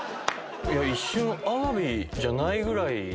一瞬アワビじゃないぐらいの。